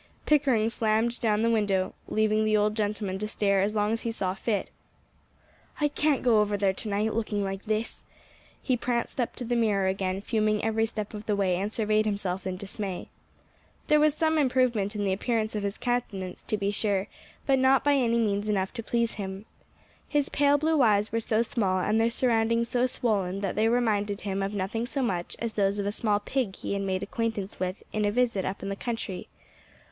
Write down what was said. Pickering slammed down the window, leaving the old gentleman to stare as long as he saw fit. "I can't go over there to night, looking like this." He pranced up to the mirror again, fuming every step of the way, and surveyed himself in dismay. There was some improvement in the appearance of his countenance, to be sure, but not by any means enough to please him. His pale blue eyes were so small, and their surroundings so swollen, that they reminded him of nothing so much as those of a small pig he had made acquaintance with in a visit up in the country.